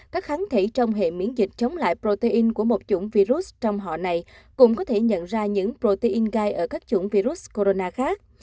các kháng thể trong hệ miễn dịch chống lại protein của một chủng virus trong họ này cũng có thể nhận ra những protein gai ở các chủng virus corona khác